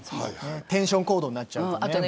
テンションコードになっちゃうやつね。